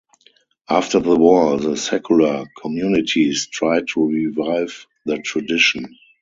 After the war the secular communities tried to revive the tradition.